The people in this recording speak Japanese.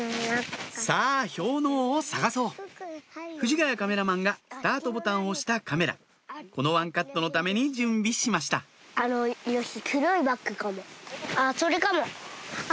さぁ氷のうを探そう藤ヶ谷カメラマンがスタートボタンを押したカメラこのワンカットのために準備しましたヨシ。